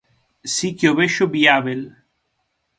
Si que o vexo viábel.